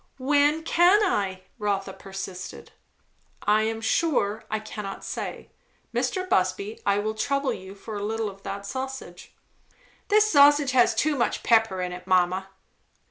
"When can I?" Rotha persisted. "I am sure, I cannot say. Mr. Busby, I will trouble you for a little of that sausage." "This sausage has too much pepper in it, mamma."